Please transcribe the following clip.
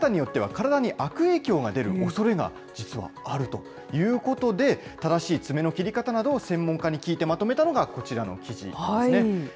これ、切り方によっては体に悪影響が出るおそれが実はあるということで、正しい爪の切り方などを専門家に聞いてまとめたのが、こちらの記事ですね。